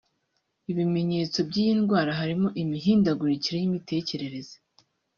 Ibimenyetso by’iyi ndwara harimo imihindagurikire y’imitekerereze